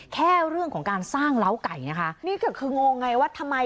แค่เรื่องของการสร้างเล้าไก่นะคะนี่ก็คืองงไงว่าทำไม